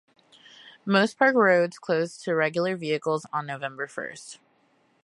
Most park roads close to regular vehicles on November first.